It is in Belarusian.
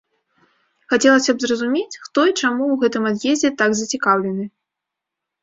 Хацелася б зразумець, хто і чаму ў гэтым ад'ездзе так зацікаўлены.